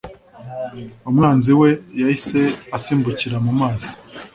umwanzi we yahise asimbukira mu mazi